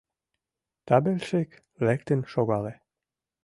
Табельшик лектын шогале.